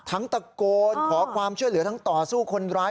ตะโกนขอความช่วยเหลือทั้งต่อสู้คนร้าย